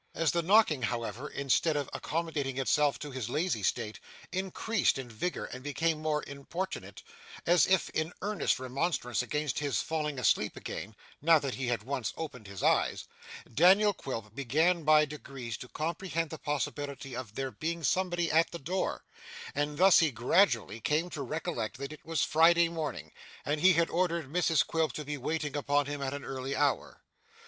As the knocking, however, instead of accommodating itself to his lazy state, increased in vigour and became more importunate, as if in earnest remonstrance against his falling asleep again, now that he had once opened his eyes, Daniel Quilp began by degrees to comprehend the possibility of there being somebody at the door; and thus he gradually came to recollect that it was Friday morning, and he had ordered Mrs Quilp to be in waiting upon him at an early hour.